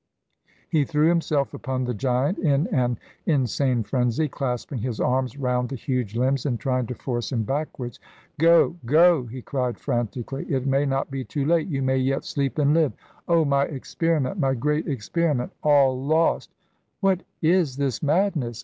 He threw himself upon the giant, in an insane frenzy, clasping his arms round the huge limbs and trying to force him backwards. "Go! go!" he cried frantically. "It may not be too late! You may yet sleep and live! Oh, my Experiment, my great Experiment! All lost " "What is this madness?"